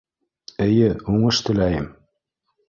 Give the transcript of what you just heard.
Эйе, уңыш теләйем